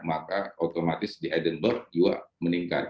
maka otomatis di edenberg juga meningkat